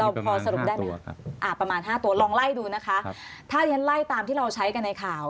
มีประมาณ๕ตัวครับประมาณ๕ตัวลองไล่ดูนะคะถ้าเรียนไล่ตามที่เราใช้กันในข่าว